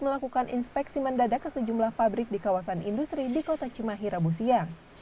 melakukan inspeksi mendadak ke sejumlah pabrik di kawasan industri di kota cimahi rabu siang